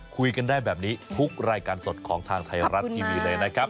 คุยกันได้แบบนี้ทุกรายการสดของทางไทยรัฐทีวีเลยนะครับ